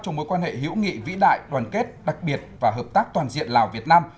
cho mối quan hệ hữu nghị vĩ đại đoàn kết đặc biệt và hợp tác toàn diện lào việt nam